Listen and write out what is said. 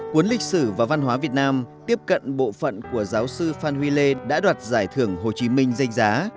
cuốn lịch sử và văn hóa việt nam tiếp cận bộ phận của giáo sư phan huy lê đã đoạt giải thưởng hồ chí minh danh giá